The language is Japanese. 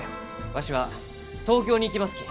わしは東京に行きますき。